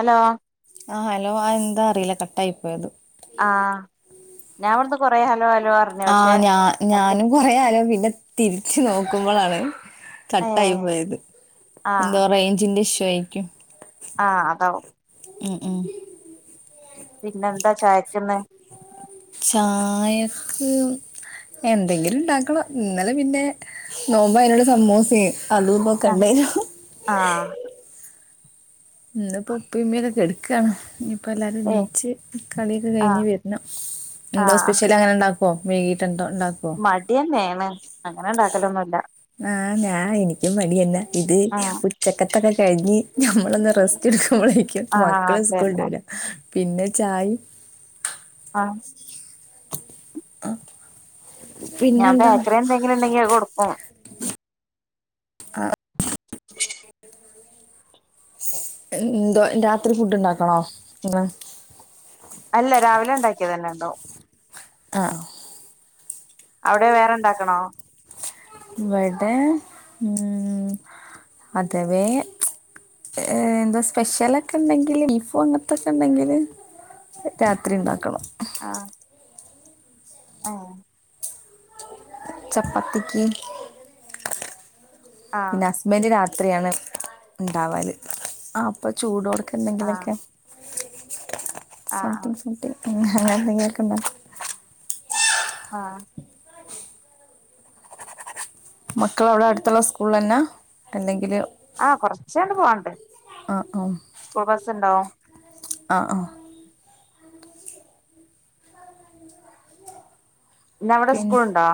Hello ആഹ് hello ആ എന്താ അറീല കട്ടായി പോയത് ആഹ് ഞാൻ ഇവിടുന്ന് കൊറേ ഹലോ ഹലോ പറഞ്ഞു ആ പക്ഷെ ഞ അതിന് ഞാനും കൊറെ അലോ പിന്നെ തിരിച്ച് നോക്കുമ്പളാണ് കട്ടായി ഏഹ് പോയ്ത് എന്തോ റേഞ്ചിന്റെ ഇഷു ആയിക്യും ആ അതാവും ഉം ഉം പിന്നെന്താ ചായക്കന്ന് ചായക്ക് എന്തെങ്കിലും ഇണ്ടാക്കണം ഇന്നലെ പിന്നെ നോമ്പായീനോണ്ട് സമ്മൂസേ അതും ആഹ് പകണ്ടരും ആഹ് ഇന്ന്പ്പോ ഉപ്പിംമ്മിംഒക്കൊ കെട്ക്കാണ് ഇ പ്പം എല്ലാരും ഏഹ് ണീച്ച് കളിയൊക്കെ കഴിഞ്ഞ് ആഹ് വര്ണം എന്തോ സ്പെഷ്യലങ്ങനെണ്ടാ ക്കോ വൈകീട്ടെന്തോ മടിന്നെണ് അങ്ങനെണ്ടാക്കലൊന്നുല്ല ആ ഞാൻ എനിക്കും മടിയന്നെ ഇത് ആഹ് ഉച്ചക്കത്തൊക്കെ കഴിഞ്ഞ് ഞമ്മളൊന്ന് റെസ്റ്റ് എ ക്കുമ്പളേക്കും ആഹ് മക്കള് സ്കൂൾട്ട് അതന്നെ വെരാ പിന്നെ ചായിം ആ അ ഞാൻ ബേക്കറി എന്തെങ്കിലുണ്ടെങ്കി അത് കൊട്ക്കും ആ എന്തോ രാത്രി ഫുഡ്ണ്ടാക്കണോ അല്ല രാവിലെ ഇണ്ടാക്കിയതന്നെ ഇണ്ടാവും അ ആ അവിടെ വേറെണ്ടാക്കണോ ഇവിടെ ഉം അഥവേ ഏഹ് എന്താ സ്പെഷ്യലൊക്കെ ഉണ്ടെങ്കില് ബീഫും അങ്ങനത്തൊക്കെ ഉണ്ടെങ്കില് രാത്രിണ്ടാക്കണം ആഹ് ആഹ് ചാപ്പാത്തിക്ക് ആഹ് പിന്നെ ഹസ്ബെന്റ് രാത്രിയാണ് ഉണ്ടാവല് അപ്പോ ചൂടോട ആഹ് കെത്തെങ്കിലൊക്കെ ആഹ് ആഹ് സംതിങ് സംതിങ് ഉം [unintelligible] ആഹ് മക്കലവിടെ അടുത്തുള്ള സ്കൂള് ലല്ല അല്ലെങ്കില് ആഹ് കൊറച്ചണ്ട് പോവണ്ട് ആ ആ സ്കൂൾ ബസ്സു ഉണ്ടാവും ആ ആ ഇന്ന എവിടെ സ്കൂൾുണ്ടോ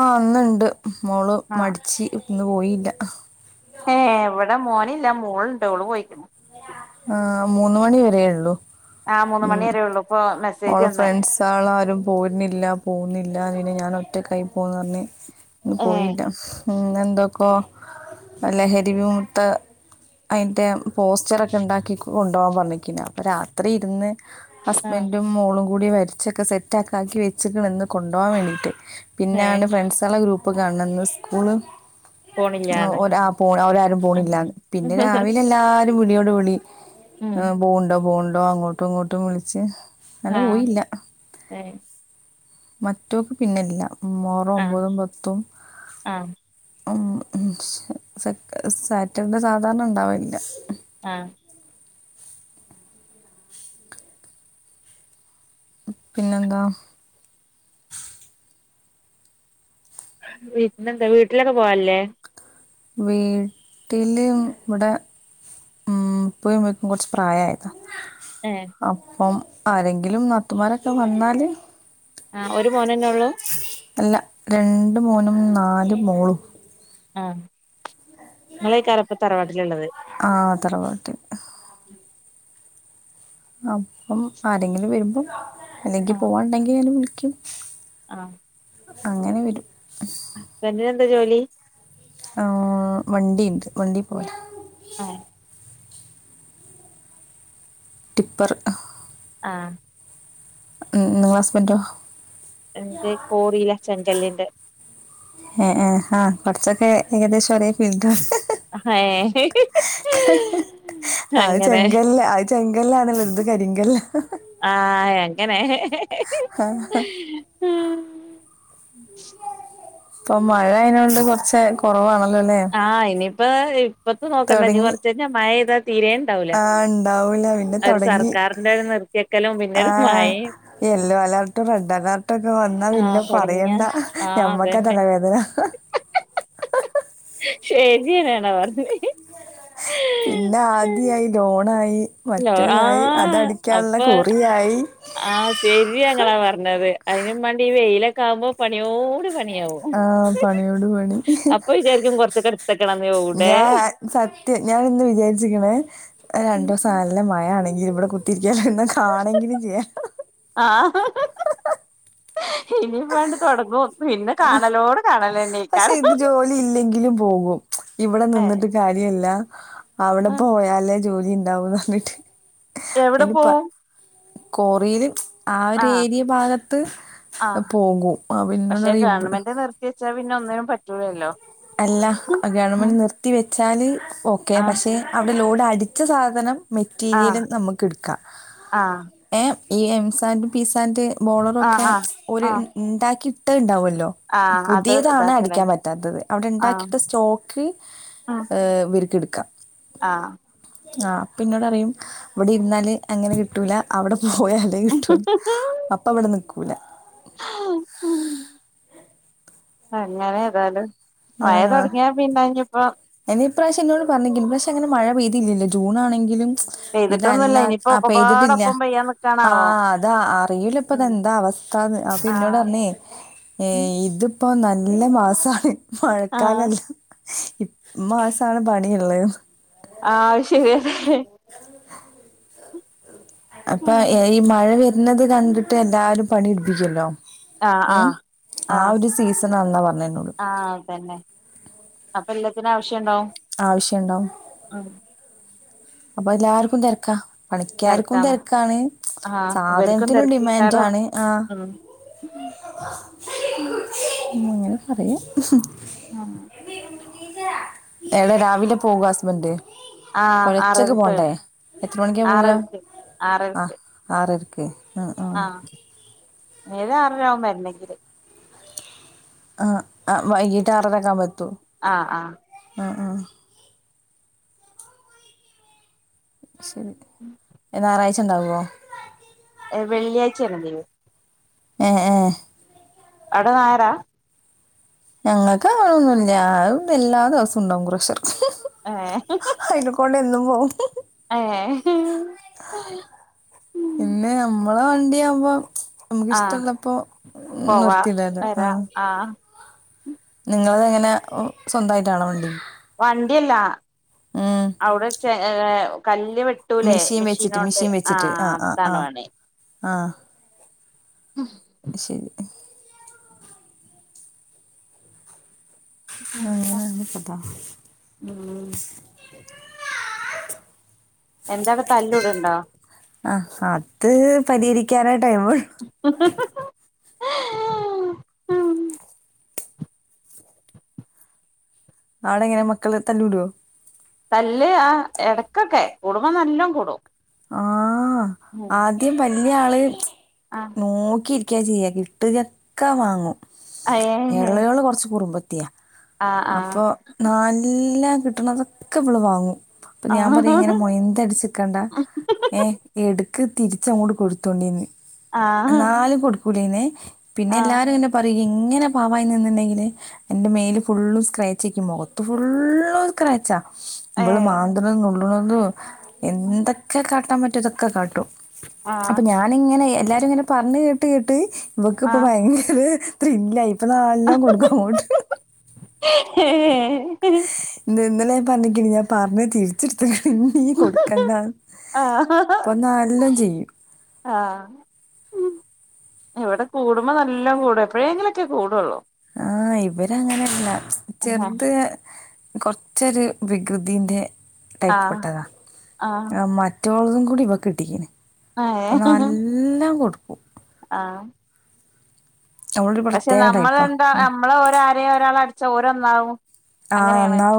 ആഹ അന്നുണ്ട് മോള് ആഹ് മടച്ച് ഇന്ന് പോയില്ല ഏ ഇവിടെ മോന ഇല്ല മുകളൾുണ്ടോള് പോയിക്കുന്നു ആ് മൂന്ന മണി വരേ ഉള്ളൂ ആ മൂന്ന് മണി ഉം വരേ ഉള്ളൂ ഇപ്പൊ ഓള മെസ്സേജ് വന്ന് ഫ്രണ്ട്സ് ആള്ളാരും പോരുന്നില്ല പോകുന്നില്ല ഞാൻ ഒറ്റ കയി പോകന്ന് പറഞ്ഞ് ഇന്ന് ഏ പോയില്ല ന്നെന്തൊക്കോ ലഹരിവിമുക്ത അതിന്റെ പോസ്റ്ററൊക്കെ ഉണ്ടാക്കിക്കും കൊണ്ടോൻ പറഞ്ഞിരിക്കുന്നു അപ്പോൾ രാത്രി ഇരുന്ന് ആ ഹസ്ബൻഡും മോളും കൂടി വരച്ചൊക്കെ സെറ്റാക്കാക്കി വെച്ച്ക്ണ് ഇന്ന് കൊണ്ടാ വേണ്ടീട്ട് ഏ പിന്നാണ് ഫ്രണ്ട്സള് ഗ്രൂപ്പ് ഇപ്പൊ കാണന്ന് സ്കൂള് പോണില്ലാന്ന് ഒ രാ പോ ഒരാരും ആ പോണില്ലന്ന് പിന്നെ രാവിലെ എല്ലാരും വിളിയോട് വിളി ഉം പോണ്ടോ പോണ്ടോ അങ്ങോട്ടും ഇങ്ങോട്ടും വിളിച്ച് അന ആ പോയില്ല ഏ ഏ മറ്റോക്ക് പിന്നെല്ല മോറും ആ ഒമ്പതും പത്തും ആ ഉം സെ സാറ്റർഡേ സാധാരണ ഉണ്ടാവില്ല ആ പിന്നെന്താ വീട്ടിലെന്താ വീട്ടിലൊക്കെ പോവല്ലേ വീട്ടില് ഇവിടെ ഉം ഉപ്പയും ഉമ്മക്കും കുറച്ച് പ്രായമായതാ ഏ അപ്പം ആരെങ്കിലും നാത്തുമാരൊക്കെ വന്നാല് ആ ഒരു മോനന്നൊള്ളൂ അല്ല രണ്ട് മോനും നാലും മോളും ആ ഇങ്ങളേക്കരംപ്പ തറവാട്ടില്ള്ളത് തറവാട്ടി അപ്പം ആരെങ്കിലും വരുമ്പോ അല്ലെങ്കി പോവാണ്ടെങ്കിൽ അലും വിളിക്കും ആഹ് അങ്ങനെ വരും ന്താ ജോലി ആഹ് വണ്ടിയിണ്ട് വണ്ടി പോയതാ ആ ടിപ്പറ് ആഹ് ഉം നിങ്ങളെ ഹസ്ബൻ്റൊ എന്തേ കോറിലാ ചെങ്കല്ലിന്റെ ഏഹ് ഏഹ് ആഹ് കൊറ്ച്ചൊക്കെ ഏകദേശം ഒരേ ഫീൽഡാ ഏഹ് [inaudible] [inaudible] അത് ചെങ്കല്ല അത് ചെങ്കല്ലാണല്ലോലെ ഇത് കരിങ്കല്ലാ ആഹ എങ്ങനെ ഉം [unintelligible] ഇപ്പൊ മഴ അതിനോണ്ട് കുറച്ച് കുറവാണ് ആഹ് ഇനിയിപ്പ ഇപ്പത്ത നോക്കണ്ട നീ തൊടങ്ങി കുറച്ച് കഴിഞ്ഞ മഴ ഇത തീര ഉണ്ടാവല ആ ഇണ്ടാവൂല പിന്നെ ഒരു തൊടങ്ങി സർക്കാരിന്റെ ഒരു നിർത്തിക്കലും പിന്നെ ആ ഒരു മായ യെല്ലോ അലേർട്ടും റെഡ് അലേർട്ട ഒക്കെ വന്നാ ആഹ് പിന്നെ തൊടങ്ങിയ പറയണ്ട ആഹ് ഞമ്മക്കാ അതന്നെ തലവേദന [unintelligible] ശരിനണ പറഞ്ഞഞ്ഞേ പിന്നെ ആദ്യ ആായി ലോണായി ല്ലോ മറ്റേതായി ആഹ അതടിക്കാനുള്ള അപ്പൊ കുറിയായി ആ ശെരി ങ്ങളാ പറഞ്ഞത് അതിനന് വേണ്ടി വെയിലെക്കാവുമ്പോ പണിയോ പണിയാവോ ആ പണിയോട് പണി. അപ്പൊ വിചാരിക്കും കൊറച്ചൊക്കെ എടുത്തക്കണംന്ന് ഇവിടെ ഞാാനിന്ന് വിചാരിച്ചരിക്കണ രണ്ട ഉം ദിവസം ആ നല്ല മഴ ആണെങ്കിലിൽ ഇവിടെ കുത്തിരിക്കോ ഇന്നെ കാണെങ്കിലും ചെയ്യാം ഇനി വേണ്ട തുൊടങ്ങുന്നു പിന്നെ കാണലോട് കാണല പക്ഷെ ഇത് ജോലി ഇല്ലെങ്കിലും പോകും ഇവിടെ ഏഹ് നിന്നിട്ട് കാര്യല്ല അവിടെ ആഹ് പോയാലേ ജോലി ഉണ്ടാവുംന്ന് പറഞ്ഞിട്ട് എവിടെ പോവും കൊറയിലും ആ ഒരു ആഹ് ഏരിയ ഭാഗത്ത് ആഹ് പോകും ആ പിന്നോണ്ടറിയ ഇ പിെ ഒന്നിനും പറ്റൂല്ലോ അല്ല ഗവൺമെന്റ് നിർത്തി വെച്ചാല് ഓക്കെ ആഹ് പക്ഷെ അവിടെ ലോഡ് ഒരു അടിച്ച സാധനം ആഹ് മെറ്റീരിയലും നമുക്ക്െടുക്കാം ആഹ് ഏ ഈ എംസൻററ് പിസാറ് ബോളറൊക്കെ ആഹ് ആഹ് ഒരു ആഹ് ഉണ്ടാക്കി ഇട്ട ഉണ്ടാവല്ലോ ആഹ് അത് പുതിയതാണ് ഇതാക്കലേ അടിക്കാൻ പറ്റാത്തത് അവിടെ ആഹ് ഉണ്ടാക്കിട്ട സ്റ്റോക്ക് ഇവർക്ക് എടുക്കാം ആഹ ആഹ് അപ്പന്നോട് അറിയും ഇവിടെ ഇരുന്നാല് അങ്ങനെ കിട്ടൂല അവിടെ പോയല്ലേ കിട്ടൂന്ന് അപ്പ അവിടെ നിക്കൂല അങ്ങനെ ഏതായാലും വയ തുൊടങ്ങിയാ പിന്നെഞ്ഞപ്പോ ഇനി പ്രാവശ്യ എന്നോട് പറഞ്ഞിില്ല പക്ഷെ അനെ മഴ പെയ്തില്ലില്ല ജൂണ ആണെങ്കിലും പെയ്തിട്ടൊന്നുല്ല ഇതല്ല ഇനിയിപ്പോ അപ്പൊെയ്തിട്ടില്ല ഒക്കപ്പാടൊപ്പം പെയ്യാൻ ആഹ നിക്കാണാവോ അതാ അറിയിൂല ഉം ഇപ്പതെന്താ അവസ്ഥ അപ്പൊ പിന്നോട ആഹ് തന്നെ ഏ ഇത് ഇപ്പൊ നല്ല മാസമാണ് ആഹ് മഴക്കാലല്ല മാസമാണ് പണിയള്ളത് ആഹ് ശരിയ അപ്പൊ ഈ മഴ വരുന്നത് കണ്ടിട്ട് എല്ലാരും പണി പിടിപ്പിക്കല്ലോ ആഹ് ഉം ആഹ് ആ ഒരു സീസൺാന്നാ പറഞ്ഞ ആഹ അതന്നെ അപ്പൊ എല്ലാത്തിന ആവശ്യ ആവശ്യുണ്ടാവ അപ്പൊ എല്ലാർക്കും തിരക്കാ പണിക്കാർക്കും തിരക്കാണ് ആഹ് ഇവർക്കും സാധനത്തിനും ഡിമാൻഡ തിരക്കേക്കാരം ആാണ് ആ മയാണ് പറാരുക ആഹ എടെ രാവിലെ പോകും ഹസ്ബന്ഡ് ആഹ ആ ഉച്ചയ്ക്ക് പോകണ്ടേ എത്ര മണിക്കാണ് പോവുക ആ ആറരക്ക് ആറരക്ക് ഓക്കെ ആ ആ നേരെ അറവുമ്പരുന്നെങ്കില് ആ വൈകീട്ട് ആറരക്കെ ആവ പത്തൂ ആഹ ആഹ ആ ആ ശരി ഞായറാഴ്ച ഉണ്ടാവുമോ വെള്ളിയാഴ്ചയാണല്ലൈവ ആ ആ അട നായരാ ഞങ്ങൾക്ക് ആണൊന്നുംില്ല ഞണ്ട് എല്ലാ ദിവസം ഉണ്ടാവുംക്രഷർ ആ ഓ ഏ പിന്നെ നമ്മളെ വണ്ടിയ ആകുമ്പോ ആഹ് നമുക്ക്ഷ്ടമുള്ളപ്പോ പോവാ നിർത്തില്ല അല്ലെ ആ വരാ ആഹ് നിങ്ങളത് എങ്ങനെ സ്വന്തമായിട്ടാണോ വണ്ടി വണ്ടിയല്ലാ ഉം അവിടെഏ കല് വട്ടൂലേ മിഷീൻ വെച്ചിട്ട് മെഷീനോണ്ട് ആ അതാണ വേണേ ആ ശരി അങ്ങനെ പ ഉം എന്താവി തല്ലടണ്ടോ ആ അത് പരിഹരിക്കാനായിട്ട് ആ നടെ എങ്ങനെ മക്കൾ തല്ലൂടവോ തല്ല് ആ ഇടക്കൊക്കെ കൂടുമ്പോ നല്ലും കൂടും ആ ആദ്യം വല്ിയ ആള് ആഹ് നോക്കി ചെയ്യ കിട്ടുകക്കെ വാങ്ങും ഏഹ് ഇളകള് കൊറച്ച് കുറ്പ ആഹ് അപ്പൊ നല്ല കിട്ടണതൊക്കെ ഇള് വാങ്ങും അപ്പൊ ഞാൻ ആഹ് പറയാ ഇങ്ങനെ മൊയന്ത അടിച്ചക്കണ്ട ഏഏ എക്ക് തിരിച്ച അങ്ങോട്ട് കൊടുത്തോണ്ടിന്ന് ആഹ് ആഹ് നാലും കൊടുക്കൂലന്നേ പിന്നെ ആഹ് എല്ലാരുംങ്ങെ പറയുകയും എങ്ങനെ പാാവായി നിന്നിണ്ടെങ്കില് എന്റെ മേല് ഫുുള്ളും സ്ക്രാച്ചക്കും മുഖത്ത് ഫുുള്ളും സ്ക്രാച്ചാ ഇള് ഏഹ് മാന്ത നുള്ളത എന്തൊക്കെ കാട്ടാൻ പറ്റും ഇതൊക്കെ കാട്ടും അപ്പൊ ആഹ് ഞാാനിങ്ങനെ എല്ലാരും ഇങ്ങനെ പറഞ്ഞു കേട്ട് കേട്ട് ഇവക്ക ഇപ്പ ആഹ് ഭയങ്കര ഇത്ര ഇല്ല ഇപ്പൊ നല്ലാം കൊടുക്കും അങ്ങോട്ട് ഏഹ് ഇ ഇന്നലെ ൻ പറഞ്ഞക്ക ഞാൻ പറഞ്ഞ തിരിച്ചെടുത്ത പിണ്ടീ കൊടുക്കണ്ട ആഹ് ഇപ്പൊ നല്ലാം ചെയ്യും ആ എവിടെ കൂടുമ്പോ നല്ല കൂടും എപ്പോഴേെങ്കിലുംൊക്കെ കൂടുള്ളോ ആ ഇവര അങ്ങനെല്ല ചെറുത് കുറച്ചൊരു വികൃതിന്റെ ടൈപ്പ് ആഹ് പട്ടതാ ആഹ് മറ്റളതും കൂടി ഇപ്പൊ കിട്ടിക്കെ അപ്പം ഏഹ് നല്ലാം കൊടുക്കും ആഹ് അവളൊരു പക്ഷെ പ്രത്യേക ടൈപ്പാ നമ്മളെന്താ ഉം. നമ്മള്രരഒരാൾ അടച്ച ഓരോന്നാവും ആ എന്നന്നാവ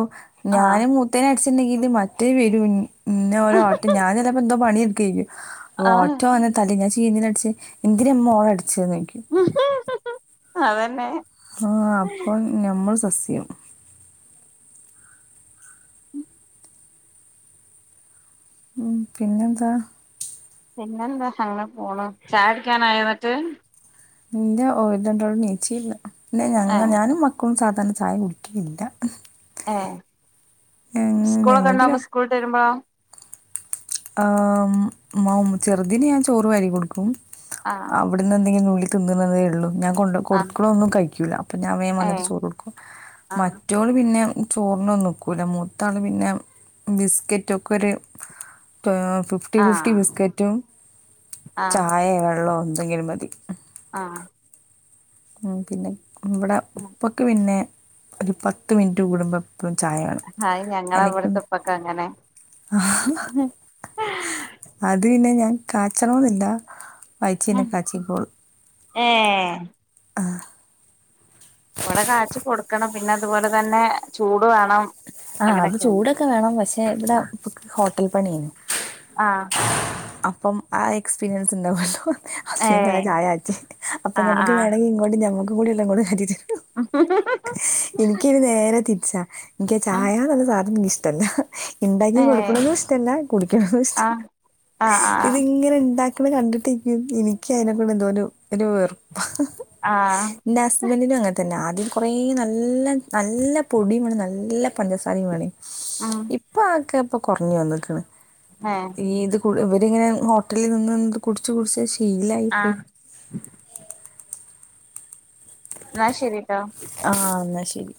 ഞാന് മൂത്തേന അടിച്ചിട്ടുണ്ടെങ്കില് മറ്റേ വരും പിന്നെ ഓോ ഓട്ടോ ഞാൻ ചിലപ്പോ എന്തോ പണിയെടുക്കയിരിക്കും ആഹ് ഓട്ടോ വന്നൽ തലേ എന്തിന അട എന്തിനമ്മ ഓള അടിച്ച നോു അതന്നെ ആ അപ്പൊ ഞമ്മൾ സസ്യം ഉം ഉം പിന്നെന്താ പിന്നെന്താ അങ്ങനെ പോണ ചായാടിക്കാനായോന്നിട്ട് നിന്റെ ഒരു രണ്ടോളം േച്ചിയില്ല പിന്ന ഞങ്ങ ഏഹ് ഞാനും മക്കളും സാധാരണ ചായ കുടിക്കുകല്ല ഏ ഞങ്ങ- സ്കൂളൊക്കെ ഞങ്ങൾക്ക് ഉണ്ടാവുമ്പോ സ്കൂളിട്ട് വരുമ്പോഴാ ആ മ ചെറുതീന് ഞാൻ ചോറ് വരി കൊടുക്കും ആഹ് അവിടുന്ന് എന്തെങ്കിലും ന തിന്നുന്നതേ ഉള്ളൂ കൊ ആഹ് കൊടുത്തക്കളൊന്നും കഴിക്കൂല്ല അപ്പൊ ഞാൻ വന്നിട്ട് ഏഹ് ചോറ് കൊടുക്കും ആഹ് മറ്റോള് പിന്നെ ചോറിനൊന്നും നിൽക്കൂല്ല മൂത്താള് പിന്നെ ബിസ്ക്കറ്റൊക്കെ ഒരു ഫിഫ്റ്റി ഫിഫ്റ്റി ആഹ് ബിസ്ക്കറ്റും ചായ വെള്ളം എന്തെങ്കിലും മതി ആ ഉം പിന്നെ ഇവിടെ ഉപ്പക്ക് പിന്നെ ഒരു പത്ത് മിനിറ്റ് കൂടുമ്പോ അപ്പം ചായ വേണം അത് ഞങ്ങളെ എനിക്ക് ഇവിടുത്തെ ഉപ്പക്ക് അങ്ങനെ ആഹ അത് പിന്നെ ഞാൻ കാച്ചണോന്നില്ല വായ്ച്ന്നെ കാച്ചിക്കോളും ഏഹ് അഹ് ഇവടെ കാച്ചി കൊട്ക്കണം പിന്നെ അതുപോലെ തന്നെ ചൂ ആഹ് അത് ചൂടൊക്കെ വേണം പക്ഷെ വിടെ ഹുക് ഹോട്ടൽ പണീഞ്ഞി ആഹ് അപ്പം ആഹ് എക്സ്പീരിയൻസ് ണ്ടാവോല്ലോ അഹ് സേം തന്നെ ഏഹ് ചായാചു അപ്പൊ ആഹ് ഞമ്മക്ക് ആഹ് വേണങ്കി ഇങ്ങോട്ടും ഞമ്മക്ക് കൂടിള്ളെ ങ്ങോട്ട് എത്തിചെരു ഇൻക്കിത് നേരെ തിരിച്ചാ ഇൻക്ക് ആഹ് ചായ ന്ന്ള്ള സാധന ഇൻക്ക് ഇഷ്ടല്ല ഇണ്ടാക്കി ഏഹ് കൊടുക്ണതു ഇഷ്ടല്ല കുടിക്ണതു ഇഷ്ടല്ല. ആഹ് ആഹ് ആഹ് ഇതിങ്ങനെ ണ്ടാക് [unintelligible] കണ്ടിട്ടി ക് ഇനിക്ക് അയ്നൊക്കെ എന്തോരൂ ഒരു വെ ആഹ് ഇന്റെ ഹസ്ബൻഡിനും അങ്ങൻ തന്നെ ആദ്യം കൊറേ കുറ നല് ഇല്ലം നല്ല പൊടിയും വേണം നല്ല പഞ്ചസാരയും വേണേൻ. ഉം ഇപ്പൊ ആക്ക് ഇപ്പൊ കൊർഞ്ഞു വന്നിക്ണ്. ഏഹ് ഈ ഇത് കു ഇവരിങ്ങനെ ഹോട്ടലിൽ നിന്ന്ന്ന് കുടിച്ചു കുടിച്ച് ഷ് ശീലായിപോയി ആഹ് ന്നാ ശരി ആഹ് ന്നാ ശരി